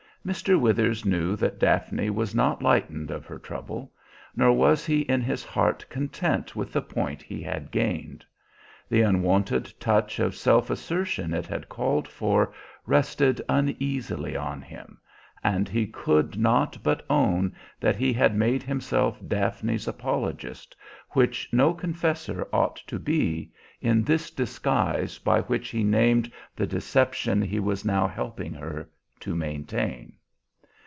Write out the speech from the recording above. Mr. Withers knew that Daphne was not lightened of her trouble, nor was he in his heart content with the point he had gained. The unwonted touch of self assertion it had called for rested uneasily on him; and he could not but own that he had made himself Daphne's apologist, which no confessor ought to be, in this disguise by which he named the deception he was now helping her to maintain.